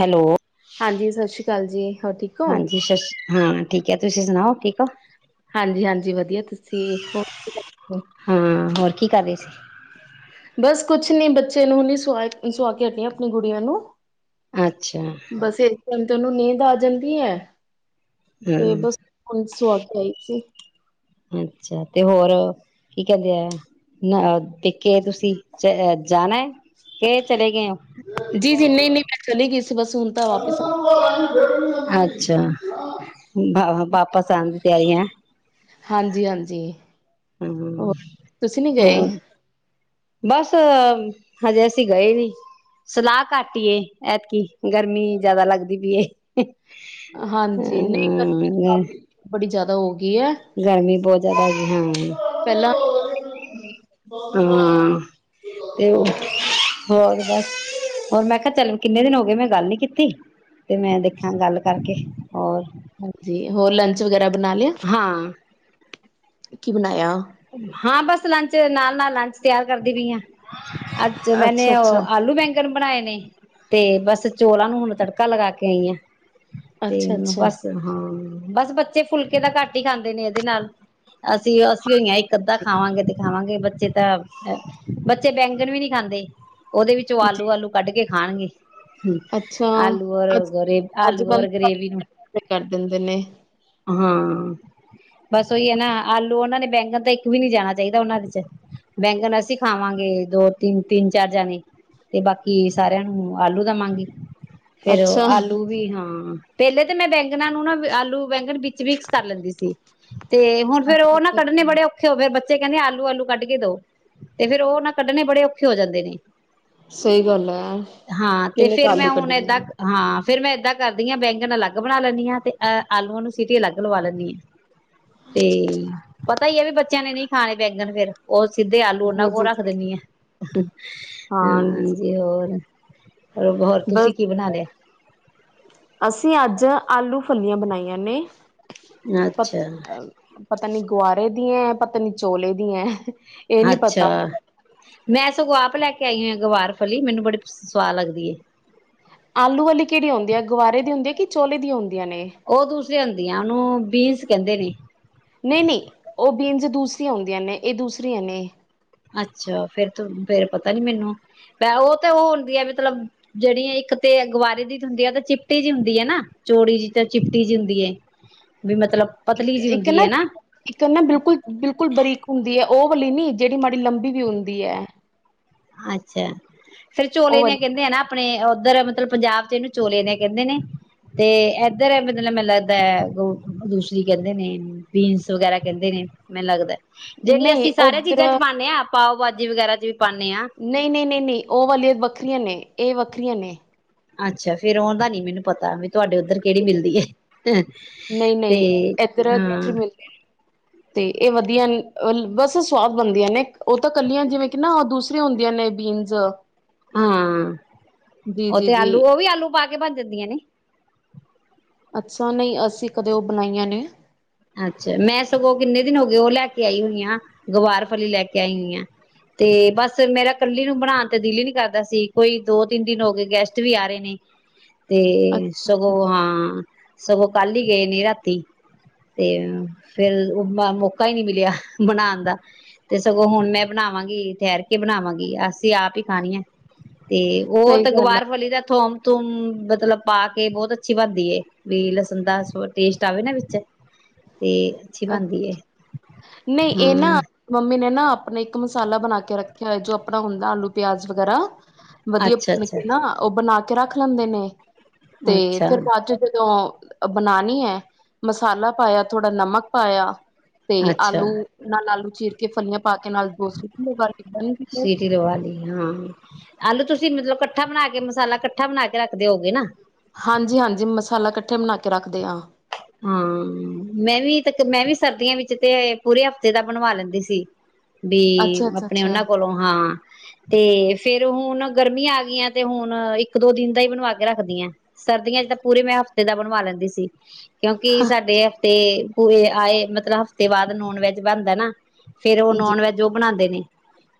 Hello ਹਾਂਜੀ, ਸਤਿ ਸ਼੍ਰੀ ਅਕਾਲ। ਚੱਲ ਜੀ ਹੋਰ ਠੀਕ ਹੋ ਹਾਂਜੀ, ਸ -ਹਾਂ, ਠੀਕ। ਕਿਆ ਤੁਸੀਂ ਸੁਣਾਓ ਠੀਕ ਹੋ? ਹਾਂਜੀ- ਹਾਂਜੀ ਵਧੀਆ। ਤੁਸੀਂ, ਹੋਰ ਹਾਂ, ਹੋਰ ਕੀ ਕਰ ਰਹੀ ਸੀ। ਬਸ ਕੁਛ ਨੀ ਬੱਚੇ ਨੂੰ ਨ ਸੁਆ- ਸੁਆ ਕੇ ਹਟੀਆਂ ਆਪਣੀ ਗੁੜੀਆਂ ਨੂੰ ਅੱਛਾ। ਬਸ ਇਸ ਟਾਈਮ ਉਹਨੂੰ ਨੀਂਦ ਆ ਜਾਂਦੀ ਹੈ। ਤੇ ਹਮ ਬਸ ਹੁਣ ਸੁਆ ਕੇ ਆਈ ਸੀ। ਅੱਛਾ। ਤੇ ਹੋਰ, ਕੀ ਕਹਿੰਦੇ ਆ, ਨਾ ਪਕੇ ਤੁਸੀਂ ਚਹ ਜਾਣਾ। ਕੇ ਚਲੇ ਗਏ। ਜੀ ਜੀ ਨਹੀਂ ਨਹੀਂ ਮੈਂ ਚਲੀ ਗਈ ਸੀ ਬਸ ਹੁਣ ਤਾਂ ਵਾਪਿਸ ਆ ਹਾਂ ਅੱਛਾ। ਵਾਪਸ ਆਉਣ ਦੀ ਤਿਆਰੀ ਹੈ। ਹਾਂਜੀ ਹਾਂਜੀ ਹਾਂ। ਹੋਰ ਤੁਸੀਂ ਨੀ ਗਏ ਹੋਰ ਬਸ, ਹਜੇ ਅਸੀਂ ਗਏ ਨੀ, ਸਲਾਹ ਘੱਟ ਹੀਈ ਐਤਕੀ ਗਰਮੀ ਜਿਆਦਾ ਲੱਗਦੀ ਪਈ। ਹਾਂਜੀ। ਨਹੀਂ, ਹਮ ਗਰਮੀ ਬੜੀ ਜਿਆਦਾ ਹੋਗੀ। ਗਰਮੀ ਬਹੁਤ ਜ਼ਿਆਦਾ ਹੈਗੀ। ਪਹਿਲਾਂ ਹਾਂਜੀ ਹਾਂ। ਅਤੇ ਉਹ ਹੋਰ ਬਸ ਹੋਰ ਮੈਂ ਕਿਹਾ -ਚੱਲ ਕਿੰਨੇ ਦਿਨ ਹੋ ਗਏ ਮੈਂ ਗੱਲ ਨਹੀਂ ਕੀਤੀ। ਤੇ ਮੈਂ ਦੇਖਾਂ, ਗੱਲ ਕਰਕੇ ਹੋਰ ਹਾਂਜੀ। ਹੋਰ ਲੰਚ, ਵਗੈਰਾ ਬਨਨਾ ਲਿਆ। ਹਾਂ ਕੀ ਬਣਾਇਆ। ਹਾਂ ਬਸ ਲੰਚ ਨਾਲ ਨਾਲ ਲੰਚ ਤਿਆਰ ਕਰਦੀ ਪਈ ਹਾਂ ਅੱਛਾ ਮੈਂਨੇ ਉਹ ਆਲੂ ਬੈਂਗਨ ਬਣਾਏ ਨੇ ਤੇ ਬਸ ਚੋਲਾਂ ਨੂੰ ਹੁਣ ਤੜਕਾ ਲਗਾ ਕੇ ਆਈ ਆ ਅਤੇ ਅੱਛਾ ਬਸ ਅੱਛਾ ਹਾਂ ਬਸ ਬੱਚੇ ਫੁਲਕੇ ਤਾਂ ਘੱਟ ਹੀ ਖਾਂਦੇ ਨੇ ਇਹਦੇ ਨਾਲ ਹੋਈ ਇੱਕ ਅੱਧਾ ਖਾਵਾਂਗੇ ਤੇ ਖਾਵਾਂਗੇ ਬੱਚੇ ਤਾਂ ਬੱਚੇ ਬੈਂਗਣ ਵੀ ਨਹੀਂੀ ਖਾਂਦੇ ਉਹਦੇ ਵਿੱਚੋਂ ਆਲੂ ਆਲੂ ਕੱਢ ਕੇ ਖਾਣਗੇ ਅੱਛਾ, ਆਲੂ ਔਰ ਅੱਜ ਗਰੇ ਆਲੂ ਅੱਜ-ਕੱਲ ਔਰ ਗਰੇਵੀ ਨੂੰ ਸਾਰੇ ਕਰ ਦਿੰਦੇ ਨੇ, ਹਾਂ ਬਸ ਉਹੀ ਹੈ ਨਾ ਆਲੂ ਉਹਨਾਂ ਨੇ ਬੈਂਗਣ ਤਾਂ ਇੱਕ ਵੀ ਨਹੀਂੀ ਜਾਣਾ ਚਾਹੀਦਾ ਉਹਨਾਂ ਦੇ ਚ ਬੈਂਗਣ ਅਸੀਂ ਖਾਵਾਂਗੇ ਦੋ ਤਿੰਨ ਤਿੰਨ ਚਾਰ ਜਾਣੇ ਤੇ ਬਾਕੀ ਸਾਰਿਆਂ ਨੂੰ ਆਲੂ ਦਾ ਮੰਗ ਹੀ ਫੇਰ ਅੱਛਾ। ਆਲੂ ਵੀ ਹਾਂ ਪਹਿਲੇ ਤਾਂ ਮੈਂ ਬੈਂ ਨੂੰ ਨਾ ਆਲੂ ਬੈਂਗਨ ਵੀਕਸ ਕਰ ਲੈਂਦੀ ਸੀ ਤੇ ਹੁਣ ਫੇਰ ਅੱਛਾ ਉਹ ਨਾ ਅੱਛਾ ਕੱੇ ਬੜੇ ਅੱਛਾ। ਔਖੇ ਹੋਏ ਬ ਬੱਚੇ ਕਹਿੰਦੇ ਆਲੂ ਆਲੂ ਕੱਢ ਕੇ ਦੋ ਤੇ ਫੇਰ ਉਹ ਨਾ ਕੱਢਣੇ ਬੜੇ ਔਖੇ ਹੋ ਜਾਂਦੇ ਨੇ ਸਹੀ ਗੱਲ ਹੈ ਕਿੰਨੇ ਕੂ ਆਲੂ ਕੱਢਦੀ ਫੇਿਰ ਮੈਂ ਏਦਾਂ ਕਰਦੀ ਹਾਂ ਬੈਂਗਣ ਅਲੱਗ ਬਣਾ ਲੈਂਦੀ ਹਾਂ ਤੇ ਅਹ ਆਲੂਆਂ ਨੂੰ ਸੀਟੀ ਅਲੱਗ ਲਵਾ ਲੈਂਦੀ ਹਾਂ ਤੇ ਪਤਾ ਹੀ ਹੈ ਵੀ ਬੱਚਿਆਂ ਨੇ ਨਹੀਂੀ ਖਾਣੇ ਬੈਂਗਨ ਫੇਰ ਉਹ ਸਿੱਧੇ ਆਲੂ ਉਹਨਾਂ ਜੀ, ਕੋ ਜੀ, ਰੱਖ ਜੀ। ਦਿੰਦੀ ਆ ਹਾਂ, ਹਾਂਜੀ ਹੋਰ ਹੋਰ ਬਸ ਤੁਸੀਂ ਕੀ ਬਣਾ ਲਿਆ ਅਸੀਂ ਅੱਜ ਆਲੂ ਫਲੀਆਂ ਬਣਾਈਆਂ ਨੇ ਪ ਅੱਛਾ ਪਤਾ ਨੀ ਗੁਆਰੇ ਦੀ ਐ ਪਤਾ ਨੀ ਚੋਲੇ ਦੀ ਐ ਇਹ ਨੀ ਅੱਛਾ ਪਤਾ, ਮੈਂ ਸਗੋਂ ਆਪ ਲੈ ਕੇ ਕੇ ਆਈ ਆ ਗਵਾਰ ਫਲੀ ਮੈਨੂੰ ਬੜੀ ਸਆਦ ਲੱਗਦੀ ਆਲੂ ਵਾਲੀ ਕਿਹੜੀ ਹੁੰਦੀ ਹੈ ਗੁਵਾਰੇ ਦੀ ਹੁੰਦੀ ਹੈ ਕਿ ਚੋਲੇ ਦੀ ਹੁੰਦੀ ਹੈ ਉਹ ਦੂਸਰੇ ਅੰਦਰ ਉਹਨੂੰ ਬੀਨਸ ਕਹਿੰਦੇ ਨੇ ਨਹੀਂ ਨਹੀਂ ਉਹ ਬੀਨਜ਼ ਦੂਸਰੀਆਂ ਹੁੰਦੀਆਂ ਨੇ ਇਹ ਦੂਸਰੀਆਂ ਨੇ ਅੱਛਾ ਫੇਰ ਫੇਰ ਪਤਾ ਨੀ ਮੈਨੂੰ ਉਹ ਤੇ ਉਹ ਹੁੰਦੀ ਹੈ ਮਤਲਬ ਜਿਹੜੀ ਇੱਕ ਤੇ ਗਵਾਰੀ ਦੀ ਹੁੰਦੀ ਆ ਤੇ ਚਿਪਟੀ ਜਿਹੀ ਹੁੰਦੀ ਹੈ ਨਾ ਚੋੜੀ ਜਿਹੀ ਚਿਪਟੀ ਜਿਹੀ ਹੁੰਦੀ ਹੈ ਵੀ ਮਤਲਬ ਪਤਲੀ ਇੱਕ ਜਿਹੀ ਇੱਕ ਹੁੰਦੀ ਨਾ ਹੈ ਇੱਕ ਨਾ ਬਿਲਕੁਲ ਬਿਲਕੁਲ ਬਰੀਕ ਹੁੰਦੀ ਹੈ ਉਹ [inaudible] ਨੀ ਜਿਹੜੀ ਮਾੜੀ ਲੰਬੀ ਵੀ ਹੁੰਦੀ ਹੈ ਅੱਛਾ ਫੇਰ ਉਹ ਚੋਲੇ ਦੀਆਂ ਕਹਿੰਦੇ ਆ ਨਾ ਆਪਣੇ ਉੱਧਰ ਮਤਲਬ ਪੰਜਾਬ ਚ ਇਹਨੂੰ ਚੋਲੇ ਨੇ ਕਹਿੰਦੇ ਨੇ ਤੇ ਇੱਧਰ ਮਤਲਬ ਮੈਨੂੰ ਲੱਗਦਾ ਦੂਸਰੀ ਕਹਿੰਦੇ ਨੇ ਬੀਨਸ ਵਗੈਰਾ ਕਹਿੰਦੇ ਨੇ ਮੈਨੂੰ ਲੱਗਦਾ ਵਾਲੀ ਜਿਹੜੀ ਨਹੀਂ ਅਸੀਂ ਸਾਰੇ ਉੱਧਰ ਚੀਜ਼ਾਂ ਚ ਪਾਉਦੇ ਹਾਂ ਪਾਓ ਭਾਜੀ ਵਗੈਰਾ ਚ ਵੀ ਪਾਉਂਦੇ ਹਾਂ ਨਹੀਂ ਨਹੀਂ ਨਹੀਂ ਨਹੀਂ ਉਹ ਵਾਲੀ ਵੱਖਰੀਆਂ ਨੇ ਇਹ ਵੱਖਰੀਆਂ ਨੇ ਅੱਛਾ ਫੇਰ ਉਹਦਾ ਨੀ ਮੈਨੂੰ ਪਤਾ ਤੁਹਾਡੇ ਉੱਧਰ ਕਿਹੜੀ ਮਿਲਦੀ ਹੈ ਨਹੀਂ ਤੇ ਨਹੀਂ ਇੱਧਰ ਦੂਸਰੀ ਹਾਂ ਮਿਲਦੀ ਤੇ ਇਹ ਵਧੀਆ ਬਸ ਸਵਾਦ ਬਣਦੀਆਂ ਨੇ ਉਹ ਤਾਂ ਕੱਲੀਆਂ ਜਿਵੇਂ ਕਿ ਨਾ ਦੂਸਰੀਆਂ ਹੁੰਦੀਆਂ ਨੇ ਬੀਨਸ ਹਾਂ ਜੀ ਉਹ ਜੀ ਤੇ ਜੀ ਆਲੂ ਉਹ ਵੀ ਆਲੂ ਪਾ ਕੇ ਬਣ ਜਾਂਦੀਆਂ ਨੇ ਅੱਛਾ ਨਹੀਂ ਅਸੀਂ ਕਦੇ ਉਹ ਬਣਾਈਆਂ ਨੇ ਅੱਛਾ ਮੈਂ ਸਗੋਂ ਕਿੰਨੇ ਦਿਨ ਹੋ ਗਏ ਉਹ ਲੈ ਕੇ ਆਈ ਹੋਈਆਂ ਗਵਾਰ ਫਲੀ ਲੈ ਕੇ ਆਈ ਹੋਈਆਂ ਤੇ ਬਸ ਮੇਰਾ ਕੱਲੀ ਨੂੰ ਬਣਾਉਣ ਤੇ ਦਿਲ ਹੀ ਨੀ ਕਰਦਾ ਸੀ ਕੋਈ ਦੋ ਤਿੰਨ ਦਿਨ ਹੋ ਗਏ ਗੈਸਟ ਵੀ ਆ ਰਹੇ ਨੇ ਤੇ ਅੱਛਾ, ਸਗੋਂ ਹਾਂ ਸਗੋਂ ਕੱਲ ਹੀ ਗਏ ਨੇ ਰਾਤੀ ਤੇ ਫੇਿਰ ਮੌਕਾ ਹੀ ਨਹੀਂ ਮਿਲਿਆ ਬਣਾਉਣ ਦਾ ਤੇ ਸਗੋਂ ਹੁਣ ਮੈਂ ਬਣਾਵਾਂਗੀ ਠਹਿਰ ਕੇ ਬਣਾਵਾਂਗੀ ਅਸੀਂ ਆਪ ਹੀ ਖਾਣੀ ਹੈ ਤੇ ਉਹ ਸਹੀ ਤੇ ਗੱਲ ਗਵਾਰ ਫਲੀ ਦਾ ਥੋਮ ਤ ਮਤਲਬ ਪਾ ਕੇ ਬਹੁਤ ਅੱਛੀ ਬਣਦੀ ਵੀ ਲਸਣ ਦਾ ਟੇਸਟ ਆਵੇ ਨਾ ਵਿੱਚ ਤੇ ਅੱਛੀ ਅੱ ਬਣਦੀ ਏ। ਨਹੀਂ ਇਹ ਹਾਂ ਨਾ ਮੰਮੀ ਨੇ ਨਾ ਆਪਣਾ ਇੱਕ ਮਸਾਲਾ ਬਣਾ ਕੇ ਰੱਖਿਆ ਹੋਆ ਜੋ ਆਪਣਾ ਹੁੰਦਾ ਆਲੂ ਪਿਆਜ ਵਗੈਰਾ ਵਧੀਆ ਅੱਛਾ ਅੱਛਾ ਭੁੰਨਕੇ ਨਾ ਉਹ ਬਣਾ ਕੇ ਕੇ ਰੱਖ ਲੈਂਦੇ ਨੇ ਤੇ ਅੱਛਾ ਫਿਰ ਬਾਅਦ ਚ ਜਦੋਂ ਬਣਾਉਣੀ ਹੈ ਮਸਾਲਾ ਪਾਇਆ ਥੋੜਾ ਨਮਕ ਪਾਇਆ ਤੇ ਅੱਛਾ ਆਲੂ ਨਾਲ ਆਲੂ ਚੀਰ ਕੇ ਫਲੀਆਂ ਪਾ ਕੇ ਨਾਲ ਦੋ ਸੀਟੀ ਲਗਾ ਕੇ ਬਣ ਗਈ ਸੀਟੀ ਲਵਾ ਲਈ ਹਾਂ ਆਲੂ ਤੁਸੀਂ ਮਤਲਬ ਇਕੱਠਾ ਬਣਾ ਕੇ ਮਸਾਲਾ ਇਕੱਠਾ ਬਣਾ ਕੇ ਰੱਖਦੇ ਹੋਗੇ ਨਾ ਹਾਂਜੀ ਹਾਂਜੀ ਮਸਾਲਾ ਇਕੱਠੇ ਬਣਾ ਕੇ ਰੱਖਦੇ ਹਾਂ ਹਾਂ ਮੈਂ ਵੀ ਤਾਂ ਮੈਂ ਵੀ ਸਰਦੀਆਂ ਵਿੱਚ ਤੇ ਪੂਰੇ ਹਫ਼ਤੇ ਦਾ ਬਣਵਾ ਲੈਂਦੀ ਸੀ ਵੀ ਅੱਛਾ ਅੱਛਾ ਆਪਣੇ ਉਹਨਾਂ ਅੱਛਾ ਕੋਲੋਂ ਹਾਂ ਤੇ ਫੇਰ ਹੁਣ ਗਰਮੀਆਂ ਆ ਗਈਆਂ ਤੇ ਹੁਣ ਇੱਕ ਦੋ ਦਿਨ ਦਾ ਹੀ ਬਣਵਾ ਕੇ ਰੱਖਦੀਆਂ ਸਰਦੀਆਂ ਚ ਤਾਂ ਪੂਰੇ ਮੈਂ ਹਫ਼ਤੇ ਦਾ ਬਣਵਾ ਲੈਂਦੀ ਸੀ ਕਿਉਂਕਿ ਸਾਡੇ ਹਫ਼ਤੇ ਆਏ, ਮਤਲਬ ਹਫ਼ਤੇ ਬਾਅਦ ਨੌਨਵੈਜ ਬਣਦਾ ਨਾ। ਫੇਰ, ਉਹ ਜੀ ਨੌਨ- ਵੈਜ ਉਹ ਬਣਾਉਂਦੇ ਨੇ।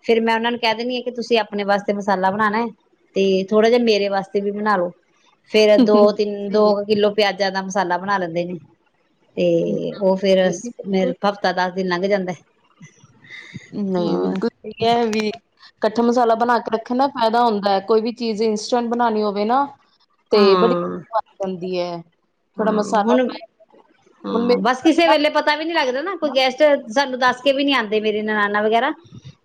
ਫਿਰ ਮੈਂ ਉਹਨਾ ਨੂੰ ਕਹਿ ਦੇਨੀ ਆ ਕਿ, ਤੁਸੀਂ ਆਪਣੇ ਵਾਸਤੇ ਮਸਾਲਾ ਬਣਾਣਾ ਤੇ, ਥੋੜਾ ਜਿਹਾ ਮੇਰੇ ਵਾਸਤੇ ਵੀ ਬਣਾ ਲੋ। ਫੇਰ ਦੋ, ਤਿੰਨ ਦੋ, ਸਹੀ ਕੁ ਕਿੱਲੋ ਪਿਆਜਾ ਦਾ ਮਸਾਲਾ ਬਣਾ ਲੈਂਦੇ ਨੇ। ਤੇ, ਉਹ ਫੇਰ ਹੈ ਮੇ ਹਫਤਾ ਦੱ ਦਿਨ ਲੰਘ ਜਾਂਦੈ। ਨਹੀਂ, ਬਿਲਕੁਲ ਸਹੀ ਹੈ, ਵੀ ਕੱਠਾ ਮਸਾਲਾ ਬਣਾ ਕੇ ਰੱਖਣ ਨਾ ਫਾਇਦਾ ਹੁੰਦਾ, ਕੋਈ ਵੀ ਚੀਜ਼ ਇੰਸਟੈਂਟ ਬਨਾਨੀ ਹੋਵੇ ਨਾ ਤੇ ਬੜੀ, ਹਾਂ, ਦੀ ਐ। ਹਾਂ, ਹੁਣ ਹੁਣ ਹਾਂ, ਬਸ ਕਿਸੇ ਮੇਰਾ ਵੇਲੇ ਪਤਾ ਵੀ ਨਹੀਂ ਲੱਗਦਾ, ਨਾ ਕੋਈ ਗੈਸਟ ਸਾਨੂੰ ਦੱਸ ਕੇ ਵੀ ਨੀ, ਆਂਦੇ ਮੇਰੇ ਨਣਾਨਾ ਵਗੈਰਾ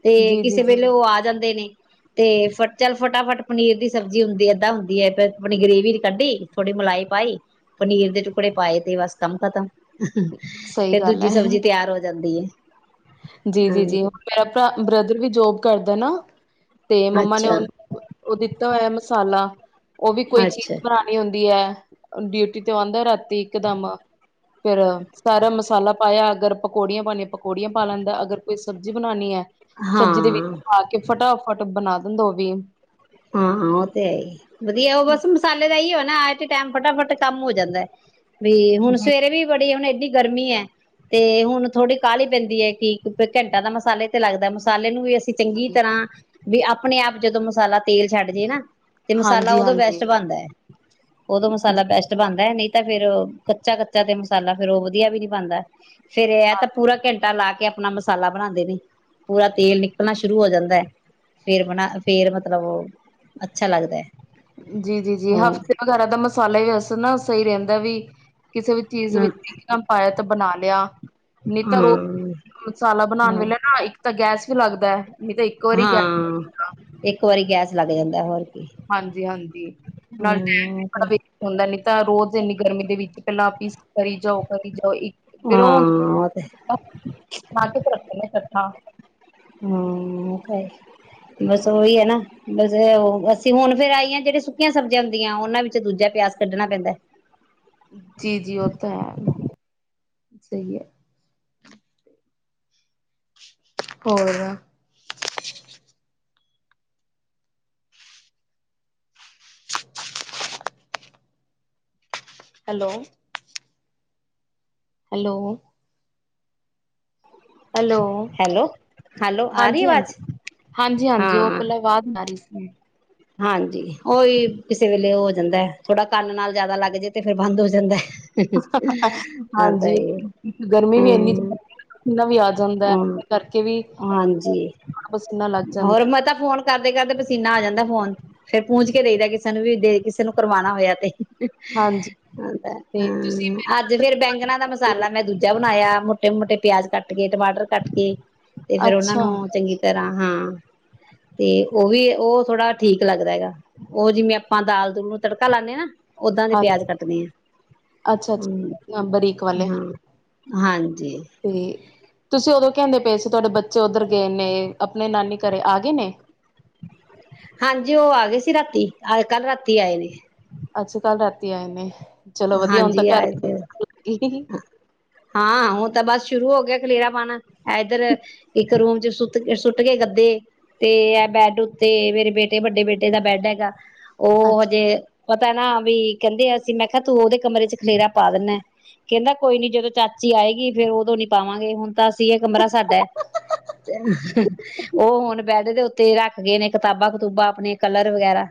ਤੇ ਜੀ ਜੀ ਕਿਸੇ ਜੀ ਵੇਲੇ ਉਹ ਆ ਜਾਂਦੇ ਨੇ। ਤੇ ਫ ਚੱਲ ਫਟਾਫਟ ਪਨੀਰ ਦੀ ਸਬਜ਼ੀ ਹੁੰਦੀ, ਏਦਾਂ ਹੁੰਦੀ ਹੈ ਆਪਣੀ ਗ੍ਰੇਵੀ ਕੱਢੀ ਥੋੜੀ ਮਲਾਈ ਪਾਈ। ਪਨੀਰ ਦੇ ਟੁਕੜੇ ਪਾਏ ਤੇ, ਬਸ ਕੰਮ ਖਤਮ। ਸਹੀ ਫ਼ਿਰ ਗੱਲ ਦੂਜੀ ਹੈ ਸਬਜ਼ੀ ਤਿਆਰ ਹੋ ਜਾਂਦੀ ਏ। ਜੀ, ਜੀ, ਜੀ ਹਰ ਮੇਰਾ ਭਰਾ ਬ੍ਰਦਰ ਵੀ ਜੋਬ ਕਰਦਾ ਨਾ ਤੇ ਮੰਮਾ ਨੇ, ਅੱਛਾ। ਉਹਨੂੰ- ਉਹ ਦਿੱਤਾ ਹੋਇਆ, ਮਸਾਲਾ। ਉਹ ਵੀ, ਕੋਈ ਚੀਜ਼ ਅੱਛਾ ਬਣਾਉਣੀ ਹੁੰਦੀ ਹੈ। ਡਿਊਟੀ ਤੇ ਆਉਂਦਾ ਰਾ ਇੱਕਦਮ। ਫੇਰ, ਸਾਰਾ ਮਸਾਲਾ ਪਾਇਆ ਅਗਰ ਪਕੋੜੀਆਂ ਪਾਨੀਆਂ, ਪਕੋੜੀਆਂ ਪਾ ਲੈਂਦਾ, ਅਗਰ ਕੋਈ ਸਬਜ਼ੀ ਬਣਾਨੀ ਐ। ਸਬਜ਼ੀ ਦੇ ਵਿੱਚ ਹਾਂ ਪਾ- ਕੇ ਫਟਾਫਟ ਬਣਾ ਦੋ ਦਿਨ। ਹਾਂ, ਹਾਂ। ਉਹ ਤੇ ਹੈ ਹੀ, ਵਧੀਆ ਉਹ ਬਸ ਮਸਾਲੇ ਦਾ ਹੀਈ ਆਏ ਤੇ ਟਾਈਮ ਫਟਾਫਟ ਕੰਮ ਹੋ ਜਾਂਦਾ। ਵੀ ਹੁਣ ਜੀ ਸਵੇਰੇ ਵੀ ਬੜੀ ਹੁਣ ਏਡੀ ਗਰਮੀ ਐ, ਤੇ ਹੁਣ ਥੋੜੀ ਕਾਹਲੀ ਪੈਂਦੀ ਹੈ, ਕਿ ਘੰਟਾ ਦਾ ਮਸਾਲੇ ਤੇ ਲੱਗਦਾ ਮਸਾਲੇ ਨੂੰ ਵੀ ਅ ਚੰਗੀ ਤਰ੍ਹਾਂ ਵੀ ਆਪਣੇ ਆਪ ਜਦੋਂ ਮਸਾਲਾ ਤੇਲ ਛੱਡ ਜੇ ਨਾ ਤੇ ਮਸਾਲਾ ਉਦੋਂ ਹਾਂਜੀ-ਹਾਂਜੀ ਬੈਸਟ ਬਣਦਾ ਹੈ ਉਦੋਂ ਜੀ ਮਸਾਲਾ ਬੈਸਟ ਬਣਦਾ ਹੈ ਨਹੀਂ ਤਾਂ ਫੇਰ ਕੱਚਾ ਕੱਚਾ ਤੇ ਮਸਾਲਾ ਫੇਰ ਉਹ ਵਧੀਆ ਵੀ ਨਹੀਂ ਬਣ ਦਾ ਫੇਰ ਇਹ ਹਾਂ ਤਾਂ ਪੂਰਾ ਘੰਟਾ ਲਾ ਕੇ ਆਪਣਾ ਮਸਾਲਾ ਬਣਾਉਂਦੇ ਨੇ ਪੂਰਾ ਤੇਲ ਨਿਕਲਣਾ ਸ਼ੁਰੂ ਹੋ ਜਾਂਦਾ ਹੈ। ਫੇਰ ਬਣਾ ਫੇਰ ਮਤਲਬ ਅੱਛਾ ਲੱਗਦਾ ਹੈ ਜੀ -ਜੀ -ਜੀ ਹਮ ਹਫ਼ਤੇ ਵਗੈਰਾ ਦਾ ਮ ਮਸਾਲਾ ਵੀ ਵੈਸੇ ਨਾ ਸਹੀ ਰਹਿੰਦਾ ਵੀ ਕਿਸੇ ਵੀ ਚੀਜ਼ ਹਮ ਵਿੱਚ ਦੇਮ ਪਾਇਆ ਤਾਂ ਬਣਾ ਲਿਆ ਨਹੀਂ ਤਾਂ ਰੋਜ਼ ਮਸਾਲਾ ਬਣਾਉਣ ਹਮ ਵੇਲੇ ਨਾ ਇੱਕ ਤਾਂ ਗੈਸ ਲੱਗਦਾ ਹੈ। ਨਹੀਂ ਤਾਂ ਇੱਕੋ ਵਾਰੀ ਹਾਂ ਗੈਸ ਲੱਗੇਗਾ। ਇੱਕ ਇੱਕ ਵਾਰੀ ਗੈਸ ਲੱਗ ਜਾਂਦਾ ਹੋਰ। ਕੀ ਹਾਂਜੀ ਹਾਂਜੀ ਨਾਲ ਹਮ ਟਾਈਮ ਵੀ ਵੇਸਟ ਹੁੰਦਾ ਨੀ ਤਾਂ ਰੋਜ਼ ਜਿੰਨੀ ਗਰਮੀ ਦੇ ਵਿੱਚ ਪਹਿਲਾਂ ਆਪ ਹੀ ਕਰੀ ਜਾਓ ਕਰੀ ਜਾਓ ਇੱਕ ਫਿਰ ਉਹ ਹੁੰਦਾ, ਹਾਂ ਉਹ ਤੇ ਬਣਾ ਕੇ ਤੇ ਰੱਖੇ ਨੇ ਇਕੱਠਾ ਹੇਹੀ। ਬਸ ਉਹੀ ਹੈ। ਨਾ ਬਸ ਅਸੀਂ ਹੁਣ ਫੇਰ ਆਈ ਹ ਜਿਹੜੀਆਂ ਸੁੱਕੀਆਂ ਸਬਜ਼ੀਆਂ ਹੁੰਦੀਆਂ ਉਹਨਾਂ ਵਿੱਚ ਦੂਜਾ ਪਿਆਸ ਕੱਢਣਾ ਪੈਂਦਾ ਜੀ -ਜੀ ਉਹ ਤਾਂ ਹੈ। ਸਹੀ ਹੈ। ਹੋਰ- hello hello hello hello hello ਆ ਰਹੀ ਹਾਂਜੀ ਆਵਾਜ਼ -ਹਾਂਜੀ -ਹਾਂਜੀ -ਹਾਂਜੀ ਉਹ ਹਾਂ ਪਹਿਲਾ ਆਵਾਜ ਆ ਰਹੀ ਸੀ। ਹੂ ਹਾਂਜੀ ਉਹ ਵੀ ਕਿਸੇ ਵੇਲੇ ਹੋ ਜਾਂਦਾ ਥੋੜਾ ਕੰਨ ਨਾਲ ਜਿਆਦਾ ਲੱਗ ਜਾੇ ਤੇ ਫਿਰ ਬੰਦ ਹੋ ਜਾਂਦਾ। ਆ ਤਾਂ ਹਾਂਜੀ ਇਹ ਗਰਮੀ ਵੀ ਇਨੀ ਹੂੰ ਹਾਂਜੀ ਪਸੀਨਾ ਲੱਗ ਜਾਂਦਾ ਹੋਰ ਮੈਂ ਤਾਂ ਫੋਨ ਕਰਦੇ ਕਰਦੇ ਪਸੀਨਾ ਆ ਜਾਂਦਾ ਫੋਨ ਫੇਰ ਪੂੰਜ ਕੇ ਦੇਦਾ ਕਿਸੇ ਨੂੰ ਵੀ ਦੇ ਕਿਸੇ ਨੂੰ ਕਰਵਾਉਣਾ ਹੋਇਆ ਤੇ ਹੈ। ਹਾਂਜੀ ਤੇ ਅੱਜ ਫੇਰ ਬੈਂਗਣਾ ਦਾ ਤੁਸੀਂ ਮਸਾਲਾ ਮੈਂ ਦੂਜਾ ਬਣਾਇਆ ਤੀਨ ਮੋਟੇ ਪਿਆਜ ਕੱਟ ਕੱਟ ਕੇ ਟਮਾਟਰ ਕੱਟ ਕੇ ਤੇ ਫੇਰ ਉਹਨਾ ਅੱਛਾ ਨੂੰ ਚੰਗੀ ਤਰ੍ਹਾਂ ਹਾਂ ਤੇ ਉਹ ਵੀ ਉਹ ਥੋੜਾ ਠੀਕ ਲੱਗਦਾ ਹੈਗਾ ਉਹ ਜਿਵੇਂ ਆਪਾਂ ਦਾਲ ਦੂਲ ਨੂੰ ਤੜਕਾ ਲਾਦੇ ਹਾਂ ਨਾ ਓਦਾਂ ਦੇ ਹਾਂ ਪਿਆਜ ਕੱਟਦੇ ਆ। ਅੱਛਾ-ਅੱਛਾ ਬਰੀਕ ਵਾਲੇ ਹਾਂਜੀ- ਜੀ। ਤੇ ਤੁਸੀਂ ਉਦੋਂ ਕਹਿੰਦੇ ਪਏ ਸੀ ਤੁਹਾਡੇ ਬੱਚ ਬੱਚੇ ਉਧਰ ਗਏ ਨੇ ਆਪਣੇ ਨਾਨੀ ਘਰੇ ਆ ਗਏ ਨੇ ਅੱਜ ਕੱਲ ਰਾਤੀ ਆਏ ਨੇ ਅੱਜ ਕੱਲ੍ਹ ਰਾਤੀ ਆਏ ਨੇ ਚਲੋ ਵਧੀਆ ਹੁਣ ਤਾਂ ਹਾਂਜੀ ਘਰ ਆਏ ਤੇ ਵੀ ਹਾਂ ਉਹ ਤਾਂ ਬਸ ਸ਼ੁਰੂ ਹੋ ਗਿਆ ਖਲੇਰਾ ਪਾਣਾ ਏਧੱਰ ਇੱਕ ਰੂਮ ਚ ਸੁੱਟ ਸੁੱਟ ਕੇ ਗੱਦੇ ਤੇ ਇਹ ਬੈਡ ਉੱਤੇ ਮੇਰੇ ਬੇਟੇ ਵੱਡੇ ਬੇਟੇ ਦਾ ਬੈਡ ਹੈਗਾ। ਉਹ ਅੱਛਾ ਹਜੇ ਪ ਭੈਣਾ ਵੀ ਕਹਿੰਦੇ ਆ ਅਸੀਂ ਮੈਂ ਕ ਤੂੰ ਉਹਦੇ ਕਮਰੇ ਚ ਖਲੇਰਾ ਪਾ ਦਿੰਦਾ, ਕਹਿੰਦਾ ਕੋਈ ਨੀ ਜਦੋਂ ਚਾਚੀ ਆਏਗੀ ਫੇਰ ਉਦੋਂ ਨੀ ਪਾਵਾਂਗ ਹੁਣ ਤਾਂ ਅਸੀਂ ਇਹ ਕਮਰਾ ਸਾਡਾ ਉਹ ਹੁਣ ਬੈਡ ਦੇ ਉੱਤੇ ਤੇ ਰੱਖ ਗਏ ਨੇ ਕਿਤਾਬਾਂ-ਕਤੂਬਾਂ ਆਪਣੇ ਕਲਰ ਵਗੈਰਾ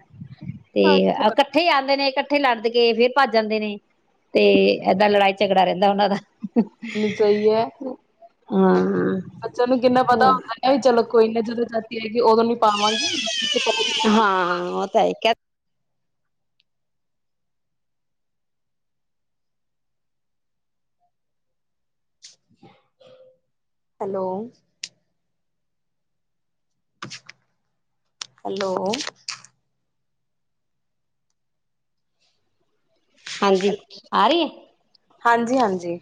ਤੇ ਅੱਛਾ ਇਕੱਠੇ ਆਂਦੇ ਨੇ ਇਕ ਇਕੱਠੇ ਲੜਦੇ ਕੇ ਫ਼ਿਰ ਭੱਜ ਜਾਂਦੇ ਨੇ ਤੇ ਏਦਾਂ ਲੜਾਈ ਝਗੜਾ ਰਹਿੰਦਾ ਉਹਨਾਂ ਦਾ ਨਹੀਂ ਸਹੀ ਏ। ਹਾਂ। ਬੱਚਿਆਂ ਨੂੰ ਕਿੰਨਾ ਪਤਾ ਹੁੰਦਾ ਏ ਚਲੋ ਕੋਈ ਨਾ ਜਦੋਂ ਚਾਚੀ ਆਏ। ਹਾਂ ਉਹ ਤਾਂ ਹੈ ਕਿ ਹੈਲੋ। ਹੈਲੋ। ਹਾਂਜੀ ਆ ਰਹੀ ਹੈ। ਹਾਂਜੀ-ਹਾਂਜੀ।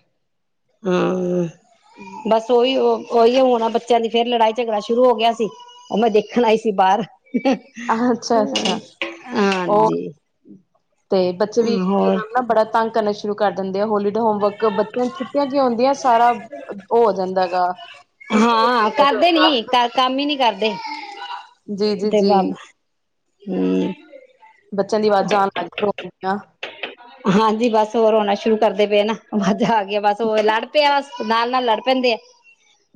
ਹਮ ਬਸ ਉਹੀ ਉਹ ਉਹੀ ਹੁਣ ਬੱਚਿਆਂ ਦੀ ਫ਼ਿਰ ਲੜਾਈ ਝਗੜਾ ਸ਼ੁਰੂ ਹੋ ਗਿਆ ਸੀ। ਉਹ ਮੈਂ ਦੇਖਣ ਹੀ ਸੀ ਬਾਹਰ ਅੱਛਾ-ਅੱਛਾ ਉਹ ਹਾਂਜੀ। ਤੇ ਬੱਚੇ ਵੀ ਹੋਰ ਇੱਕਦਮ ਨਾ ਬੜਾ ਤੰਗ ਕਰਨ ਸ਼ੁ ਸ਼ੁਰੂ ਕਰ ਦਿੰਦੇ, ਹੋਲੀਡੇ ਹੋਮਵਰਕ ਬੱਚਿਆਂ ਛੁੱਟੀਆਂ ਕੀ ਹੁੰਦੀਆਂ ਸਾਰਾ ਹੋ ਓ ਜਾਂਦਾ ਗਾ [inaudible] ਹਾਂ ਕਰਦੇ ਨੀ, ਕੰਮ ਹੀ ਨੀ ਕਰਦੇ ਅ [unintelligible] ਜੀ ਜੀ ਜੀ ਹਮ ਬੱਚਿਆਂ ਦੀ ਆਵਾਜ਼ ਆਣ ਲਗ ਕੀ [unintelligible] ਹਾਂਜੀ ਬਸ ਹੋਰ ਰੋਣਾ ਸ਼ੁਰੂ ਕਰਦੇ ਪਏ ਨਾ ਜਾ ਕੇ [unintelligible] ਬਸ ਉਹ ਲੜ ਪਿਆ ਬ [unintelligible] ਨਾਲ ਨਾਲ ਲੜ ਪੈਂਦੇ ਆ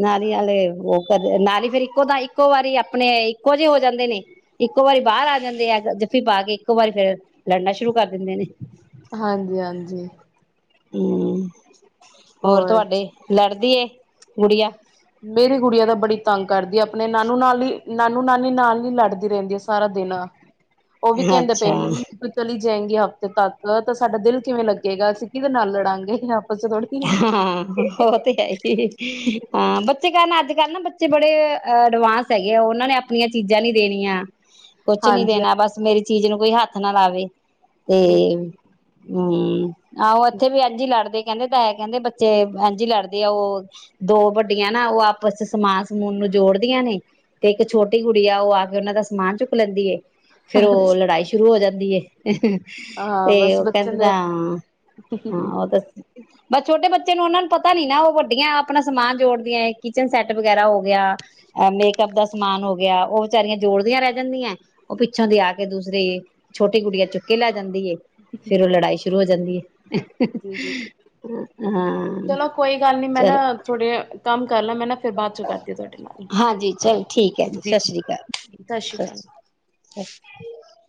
ਨਾਲੀ ਨਾਲੇ ਉਹ ਕਰਦੇ ਨਾਲ ਫਿਰ ਇੱਕੋ ਤਾਂ ਇੱਕੋ ਵਾਰੀ ਆਪਣੇ ਇੱਕੋ ਜਿਹੇ ਹੋ ਜਾਂਦੇ ਨੇ ਇੱਕੋ ਵਾਰੀ ਬਾਹਰ ਆ ਜਾਂਦੇ ਆ ਜੱਫੀ ਪਾ ਕੇ ਇੱਕੋ ਵਾਰੀ ਫੇਿਰ ਲੜਨਾ ਸ਼ੁਰੂ ਕਰ ਦਿੰਦੇ ਨੇ ਹਾਂਜੀ ਹਾਂਜੀ ਹਮ ਹੋਰ ਤੁਹਾਡੇ ਲੜਦੀ ਏ ਗੁੜਿਆ ਗੁੱਡੀਆ ਦਾ ਬੜੀ ਤੰਗ ਕਰਦੀ ਹੈ ਆਪਣੇ ਨਾਨੂ ਨਾਲ ਹੀ ਨਾਨੂ ਨਾਨੀ ਨਾਲ ਹੀ ਲੜਦੀ ਰਹਿੰਦੀ ਹੈ ਸਾਰਾ ਦਿਨ ਉਹ ਵੀ ਕਹਿੰਦੇ ਪਏ ਅੱਛਾ ਵੀ ਤੂੰ ਚਲੀ ਜਾਏਗੀ ਹਫ਼ ਤੇ ਤਦ ਤਾਂ ਸਾਡਾ ਦਿਲ ਕਿਵੇਂ ਲੱਗੇਗਾ ਅਸੀਂ ਕਿਹਦੇ ਨਾਲ ਲੜਾਂਗੇ ਆਪਸ ਚ ਥੋੜੀ ਹਾਂ ਉਹ ਤੇ ਹੈ ਹੀ ਹਾਂ ਬ ਬੱਚੇ ਕਾਰਨ ਅੱਜ ਕੱਲ੍ਹ ਨਾ ਬੱਚੇ ਬੜੇ ਅ ਅਡਵਾਂਸ ਹੈਗੇ ਆ ਉਹਨਾਂ ਨੇ ਆਪਣੀਆਂ ਚੀਜ਼ਾਂ ਨੀ ਦੇਣੀਆਂ ਕੁਛ ਨੀ ਹਾਂਜੀ ਦੇਣਾ ਬਸ ਮੇਰੀ ਚੀਜ਼ ਨੂੰ ਕੋਈ ਹੱਥ ਨਾ ਲਾਵੇ ਤੇ ਜੀ ਹਮ ਆਹੋ ਐਥੇ ਵੀ ਇੰਝ ਹੀ ਲੜਦੇ ੈ [unintelligible] ਕਹਿੰਦੇ ਬੱਚੇ ਐਂਜ ਇ ਲੜਦੇ ਆ ਉਹ ਦੋ ਵੱਡੀਆਂ ਨਾ ਉਹ ਆਪਸ ਚ ਸਮਾਨ ਸਮੂਨ ਨੂੰ ਜੋੜਦੀਆਂ ਨੇ ਤੇ ਇੱਕ ਛੋਟੀ ਕੁੜੀ ਆ ਉਹ ਆ ਕੇ ਉਹਨਾਂ ਦਾ ਸਮਾਨ ਚੁੱਕ ਲੈਂਦੀ ਏ ਫੇਰ ਉਹ ਲੜਾਈ ਸ਼ੁਰੂ ਹੋ ਜਾਂ ਹੁੰਦੀ ਹੈ [unintelligible] ਹਾਂ ਤੇ ਬਸ ਉਹ ਬੱਚੇ ਕਹਿੰਦਾ ਦੇ ਜੀ ਹਾਂ ਉਹ ਤਾਂ ਬ ਛੋਟੇ ਬੱਚੇ ਨੂੰ ਉਹਨਾ ਨੂੰ ਪਤਾ ਨੀ ਨਾ ਉਹ ਵੱਡੀਆਂ ਆਪਣਾ ਸਮਾਨ ਜੋੜਦੀਆਂ ਕਿਚਨ ਸੈੱਟ ਵਗੈਰਾ ਹੋ ਗਿਆ ਮੇਕਅਪ ਦਾ ਸਮਾਨ ਹੋ ਗਿਆ ਉਹ ਵਿਚਾਰੀਆਂ ਜੋੜਦੀਆਂ ਰਹਿ ਜਾਂਦੀਆਂ ਉਹ ਪਿੱਛੋਂ ਦੀ ਆ ਕੇ ਦੂਸਰੇ ਛੋਟੀ ਗੁਡੀਆ ਚੁੱਕੇ ਲੈ ਜਾਂਦੀ ਏ ਫੇਰ ਉਹ ਲੜਾਈ ਸ਼ੁਰੂ ਹੋ ਜਾਂਦੀ ਏ ਹਾ ਜੀ ਜੀ ਹਾ ਹਮ ਚਲੋ ਕੋਈ ਗੱਲ ਨੀ ਮੈਂ ਨਾ ਥੋੜੇ ਕੰਮ ਕਰ ਲਾ ਮੈਂ ਨਾ ਫਿਰ ਬਾਅਦ ਚੋਂ ਕਰਦੀ ਤੁਹਾਡੇ ਨਾਲ। ਹਾਂਜੀ ਚਲ ਠੀਕ ਹੈ ਜੀ ਸਤਿ ਸ੍ਰੀ ਅਕਾਲ ਸ਼੍ਰੀ ਸਤਿ ਅਕਾਲ। ਸ਼੍ਰੀ ਅ